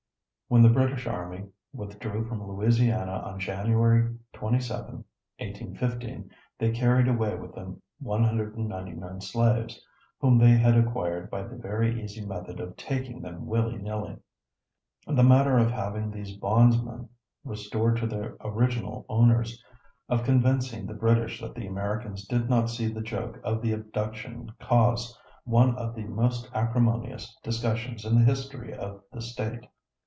When the British army withdrew from Louisiana on January 27, 1815, they carried away with them 199 slaves, whom they had acquired by the very easy method of taking them willy nilly. The matter of having these bondmen restored to their original owners, of convincing the British that the Americans did not see the joke of the abduction caused one of the most acrimonious discussions in the history of the State.